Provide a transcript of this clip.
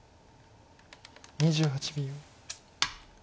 ２８秒。